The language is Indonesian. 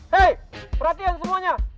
hey perhatian semuanya